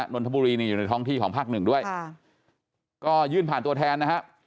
นนทบุรีนี่อยู่ในท้องที่ของภาคหนึ่งด้วยค่ะก็ยื่นผ่านตัวแทนนะฮะ